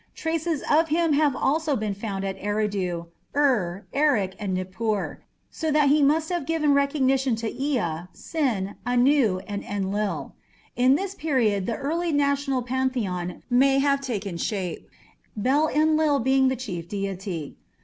Traces of him have also been found at Eridu, Ur, Erech, and Nippur, so that he must have given recognition to Ea, Sin, Anu, and Enlil. In this period the early national pantheon may have taken shape, Bel Enlil being the chief deity.